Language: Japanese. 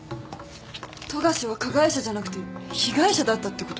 富樫は加害者じゃなくて被害者だったってこと？